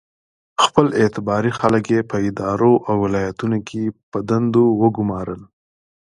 خپل اعتباري خلک یې په ادارو او ولایتونو کې په دندو وګومارل.